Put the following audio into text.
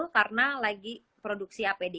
karena lagi produksi apd